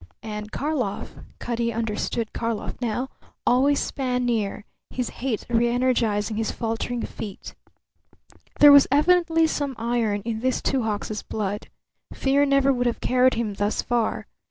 And Karlov Cutty understood Karlov now always span near, his hate reenergizing his faltering feet. There was evidently some iron in this Two Hawks' blood. Fear never would have carried him thus far.